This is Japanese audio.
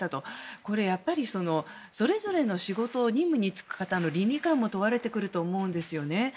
これやっぱり、それぞれの仕事任務に就く方の倫理観も問われてくると思うんですよね。